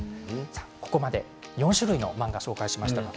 ここまで４種類の漫画を紹介しました。